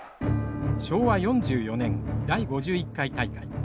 昭和４４年第５１回大会。